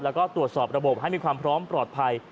แล้วก็ตรวจสอบระบบให้มีความพร้อมปลอดภัย